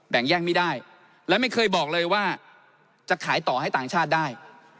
งแย่งไม่ได้และไม่เคยบอกเลยว่าจะขายต่อให้ต่างชาติได้